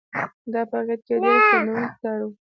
دا په حقیقت کې یو ډېر خندوونکی کار و.